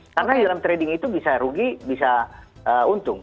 karena di dalam trading itu bisa rugi bisa untung